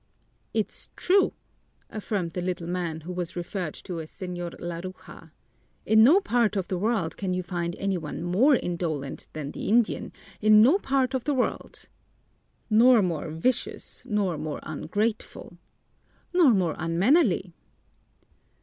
"It's true," affirmed the little man, who was referred to as Señor Laruja. "In no part of the world can you find any one more indolent than the Indian, in no part of the world." "Nor more vicious, nor more ungrateful!" "Nor more unmannerly!"